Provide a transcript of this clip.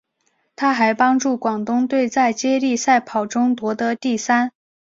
她还帮助广东队在接力赛跑中夺得第三。